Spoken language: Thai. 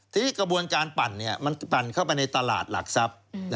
ทีนี้กระบวนการปั่นมันปั่นเข้าไปในตลาดหลักทรัพย์